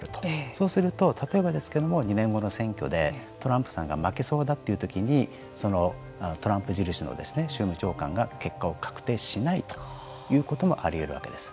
そうすると、例えばですけれども２年後の選挙でトランプさんが負けそうだという時にトランプ印の州務長官が結果を確定しないということはあり得るわけです。